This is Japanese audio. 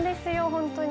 本当に。